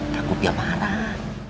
takut dia marah